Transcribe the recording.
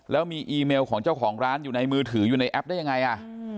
แล้วมีอีเมลของเจ้าของร้านอยู่ในมือถืออยู่ในแอปได้ยังไงอ่ะ